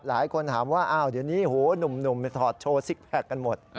หลายคนถามว่าอ้าวเดี๋ยวนี้โหหนุ่มถอดโชว์ซิกแพคกันหมด